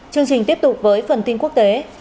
chương trình tiếp tục với phần tin quốc tế